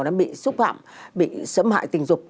nó bị xúc phạm bị xấm hại tình dục